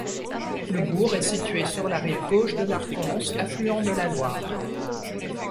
Le bourg est situé sur la rive gauche de l'Arconce, affluent de la Loire.